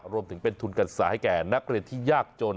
รวมถึงเป็นทุนการศึกษาให้แก่นักเรียนที่ยากจน